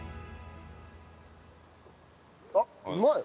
あっうまい！